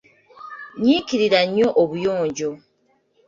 Nyiikirira nnyo obuyonjo.